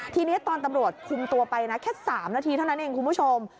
ทีนี้ตอนตำรวจคุมตัวไปนะแค่๓นาทีเท่านั้นเองคุณผู้ชม